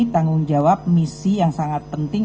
tanggung jawab misi yang sangat penting